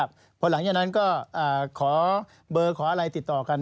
เพราะหลังจากนั้นก็ขอเบอร์ขออะไรติดต่อกัน